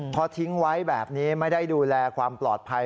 พอทิ้งไว้แบบนี้ไม่ได้ดูแลความปลอดภัย